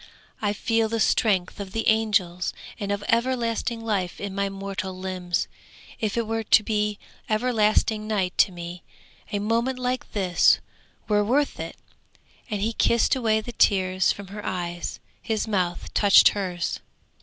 I feel the strength of the angels and of everlasting life in my mortal limbs! If it were to be everlasting night to me, a moment like this were worth it!' and he kissed away the tears from her eyes; his mouth touched hers.